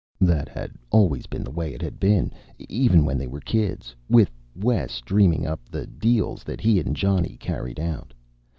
That had always been the way it had been, even when they were kids, with Wes dreaming up the deals that he and Johnny carried out.